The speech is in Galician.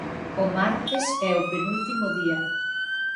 O martes é o penúltimo día.